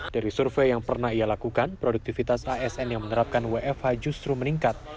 dari survei yang pernah ia lakukan produktivitas asn yang menerapkan wfh justru meningkat